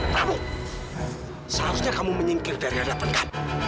kamu seharusnya kamu menyingkir dari hadapan kami